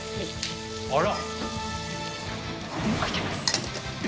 あら。